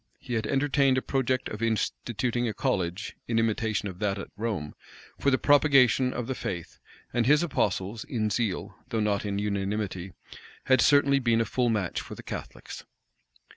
He had entertained a project of instituting a college, in imitation of that at Rome, for the propagation of the faith; and his apostles, in zeal, though not in unanimity, had certainly been a full match for the Catholics.